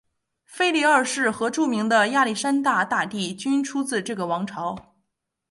腓力二世和著名的亚历山大大帝均出自这个王朝。